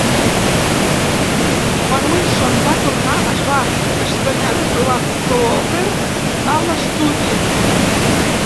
Quan Wilson va tornar, es va estranyar de trobar Kooper a l'estudi.